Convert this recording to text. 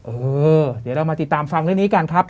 เออเดี๋ยวเรามาติดตามฟังเรื่องนี้กันครับ